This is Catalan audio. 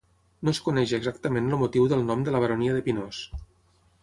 No es coneix exactament el motiu del nom de la Baronia de Pinós.